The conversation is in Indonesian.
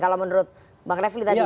kalau menurut bang refli tadi